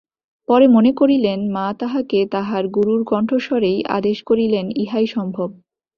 পরে মনে করিলেন, মা তাঁহাকে তাঁহার গুরুর কণ্ঠস্বরেই আদেশ করিলেন ইহাই সম্ভব।